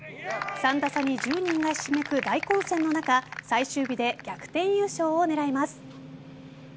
３打差に１０人がひしめく大混戦の中最終日で逆転優勝を狙います。